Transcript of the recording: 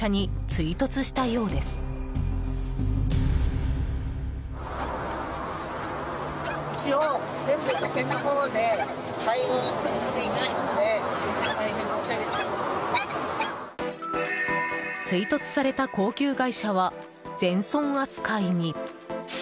追突された高級外車は全損扱いに。